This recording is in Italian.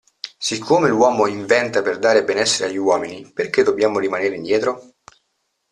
Siccome l'uomo inventa per dare benessere agli uomini perché dobbiamo rimanere indietro?